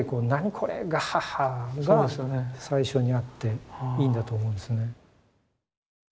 これガッハッハ」が最初にあっていいんだと思うんですよね。